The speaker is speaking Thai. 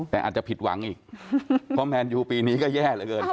แต่อาจจะผิดหวังอีกเพราะแมนยูปีนี้ก็แย่เหลือเกิน